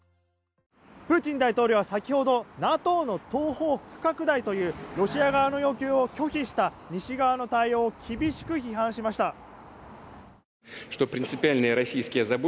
プーチン大統領は先ほどＮＡＴＯの東方不拡大というロシア側の要求を拒否した西側の対応を厳しく批判しました。